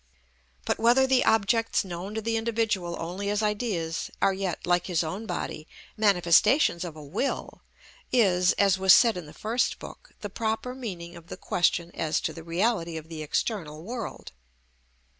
But whether the objects known to the individual only as ideas are yet, like his own body, manifestations of a will, is, as was said in the First Book, the proper meaning of the question as to the reality of the external world.